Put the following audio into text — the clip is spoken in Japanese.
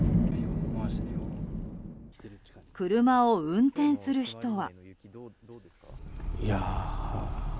車を運転する人は。